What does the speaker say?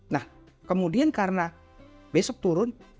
nah kemudian karena besok turun